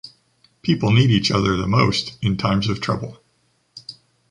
People need each other the most in times of trouble.